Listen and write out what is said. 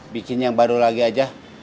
bikin yang baru lagi aja